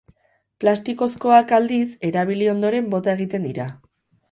Plastikozkoak aldiz, erabili ondoren, bota egiten dira.